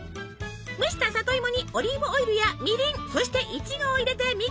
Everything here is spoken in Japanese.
蒸した里芋にオリーブオイルやみりんそしてイチゴを入れてミキサーに。